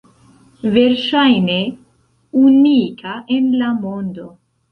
Verŝajne unika en la mondo!